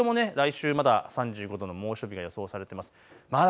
東京も来週まだ３５度の猛暑日が予想されています。